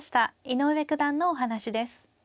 井上九段のお話です。